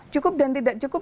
cukup dan tidak cukup